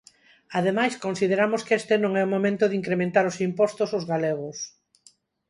Ademais, consideramos que este non é o momento de incrementar os impostos aos galegos.